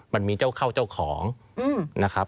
มันมีเจ้าเข้าเจ้าของนะครับ